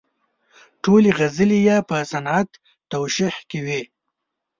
ټولې غزلې یې په صنعت توشیح کې وې.